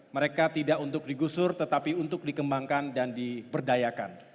mereka tidak untuk digusur tetapi untuk dikembangkan dan diberdayakan